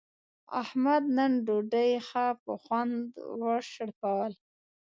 احمد نن ډوډۍ ښه په خوند و شړپوله.